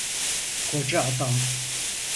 Koca adam.